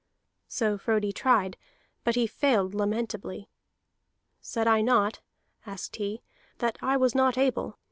So Frodi tried, but he failed lamentably. "Said I not," asked he, "that I was not able?